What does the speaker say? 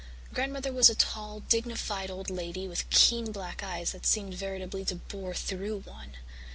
Grandmother was a tall, dignified old lady with keen black eyes that seemed veritably to bore through one.